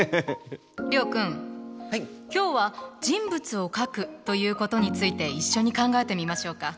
諒君今日は人物を描くということについて一緒に考えてみましょうか。